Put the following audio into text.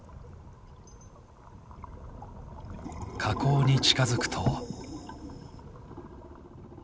河口に近づくと。